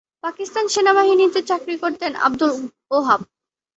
পাকিস্তান সেনাবাহিনীতে চাকরি করতেন আবদুল ওহাব।